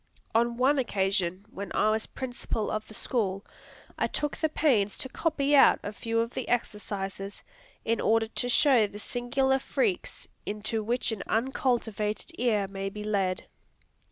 On one occasion, when I was Principal of the School, I took the pains to copy out a few of the exercises, in order to show the singular freaks into which an uncultivated ear may be led.